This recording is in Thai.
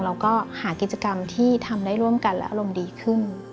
เราก็หากิจกรรมที่ทำได้ร่วมกันและอารมณ์ดีขึ้น